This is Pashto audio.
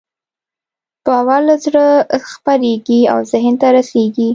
باور له زړه خپرېږي او ذهن ته رسېږي.